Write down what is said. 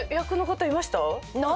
何？